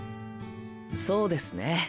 そうですね